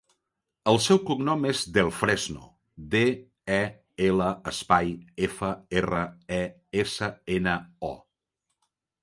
El seu cognom és Del Fresno: de, e, ela, espai, efa, erra, e, essa, ena, o.